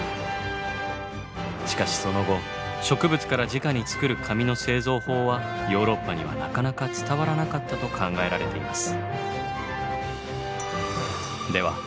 しかしその後植物からじかに作る紙の製造法はヨーロッパにはなかなか伝わらなかったと考えられています。